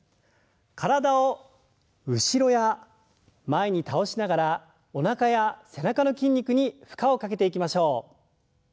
体を後ろや前に倒しながらおなかや背中の筋肉に負荷をかけていきましょう。